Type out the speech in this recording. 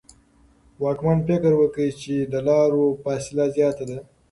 واکمن فکر وکړ چې د لارو فاصله زیاته ده.